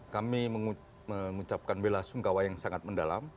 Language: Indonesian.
kami mengucapkan bela sungkawa yang sangat mendalam